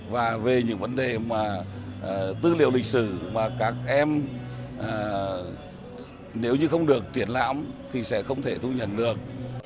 và về những vấn đề mà tư liệu lịch sử mà các em nếu như không được triển lãm thì sẽ không thể thu nhận được